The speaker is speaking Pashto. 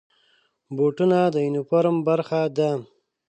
بوټونه د یونیفورم برخه ده.